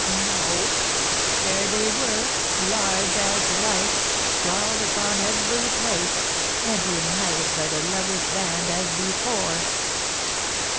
No; there they were, large as life, scrawled upon every place, and united by the lover's band as before."